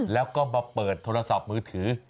แล้วก็มาเปิดโทรศัพท์มือถือ